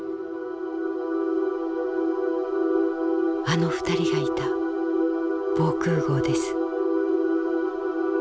あの２人がいた防空壕です。